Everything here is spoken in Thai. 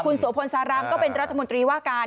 โสพลสารามก็เป็นรัฐมนตรีว่าการ